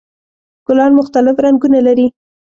ګلان مختلف رنګونه لري.